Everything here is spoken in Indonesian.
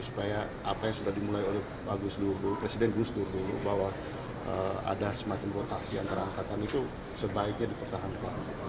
supaya apa yang sudah dimulai oleh pak gus durbu presiden gus durbu bahwa ada semacam rotasi antara angkatan itu sebaiknya dipertahankan